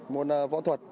môn võ thuật